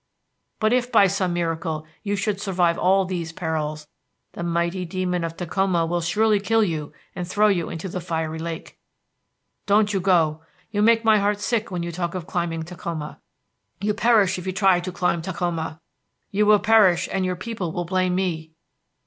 But if by some miracle you should survive all these perils, the mighty demon of Takhoma will surely kill you and throw you into the fiery lake. "Don't you go. You make my heart sick when you talk of climbing Takhoma. You will perish if you try to climb Takhoma. You will perish and your people will blame me.